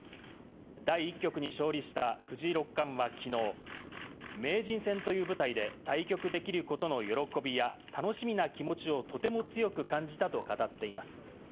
対局に勝利した藤井六冠は昨日、名人戦という舞台で対局できることの喜びや楽しみな気持ちをとても強く感じたと語っています。